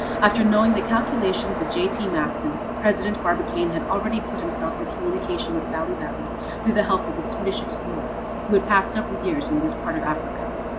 After knowing the calculations of J.T. Maston, President Barbicane had already put himself in communication with Bali Bali through the help of a Swedish explorer, who had passed several years in this part of Africa.